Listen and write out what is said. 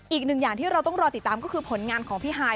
อีกหนึ่งอย่างที่เราต้องรอติดตามก็คือผลงานของพี่ฮาย